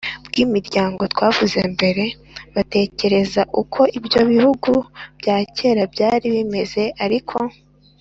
bw’imiryango twavuze mbere. batekereza uko ibyo bihugu bya cyera byari bimeze, ariko